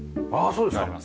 そうですか。